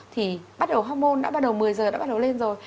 thì hormôn đã bắt đầu một mươi h đã bắt đầu lên rồi